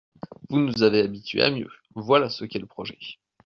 Vous nous avez habitués à mieux ! Voilà ce qu’est le projet.